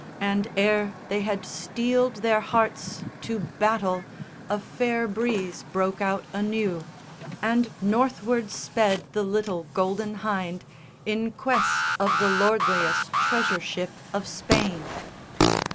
And, ere they had steeled their hearts To battle, a fair breeze broke out anew, And Northward sped the little Golden Hynde In quest of the lordliest treasure ship of Spain.